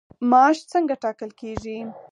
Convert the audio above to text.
معاش څنګه ټاکل کیږي؟